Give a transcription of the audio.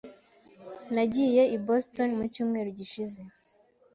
Nagiye i Boston mu cyumweru gishize.